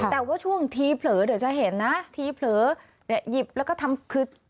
แต่ว่าช่วงทีเผลอเดี๋ยวจะเห็นนะทีเผลอเนี่ยหยิบแล้วก็ทำคือ